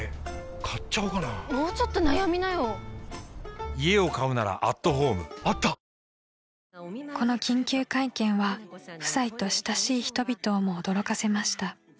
ぷはーっ［この緊急会見は夫妻と親しい人々をも驚かせました］